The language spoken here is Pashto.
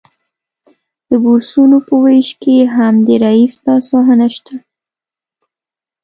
د بورسونو په ویش کې هم د رییس لاسوهنه شته